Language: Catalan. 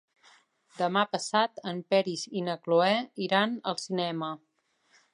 Demà passat en Peris i na Cloè iran al cinema.